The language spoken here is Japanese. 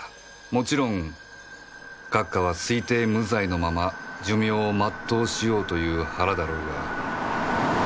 もちろん閣下は推定無罪のまま寿命を全うしようという腹だろうが